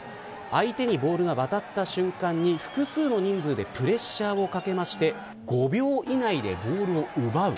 相手にボールが渡った瞬間に複数の人数でプレッシャーをかけて５秒以内でボールを奪う。